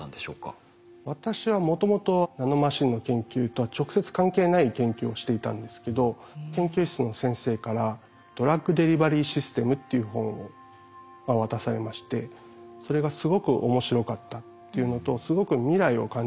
私はもともとナノマシンの研究とは直接関係ない研究をしていたんですけど研究室の先生から「ドラッグデリバリーシステム」っていう本を渡されましてそれがえっ。